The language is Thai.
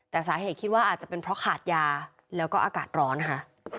แต่สาเหตุคิดว่าอาจจะเป็นเพราะขาดยาแล้วก็อากาศร้อนค่ะ